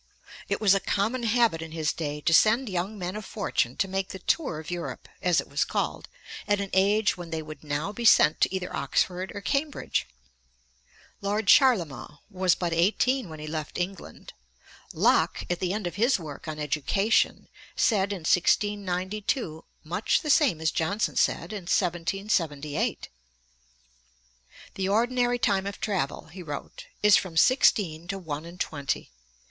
It was a common habit in his day to send young men of fortune to make the tour of Europe, as it was called, at an age when they would now be sent to either Oxford or Cambridge. Lord Charlemont was but eighteen when he left England. Locke, at the end of his work on Education, said in 1692 much the same as Johnson said in 1778. 'The ordinary time of travel,' he wrote, 'is from sixteen to one and twenty.'